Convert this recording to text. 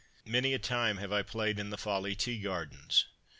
Many a time have I played in the Folly Tea Gardens.